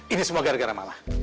ini semua gara gara malah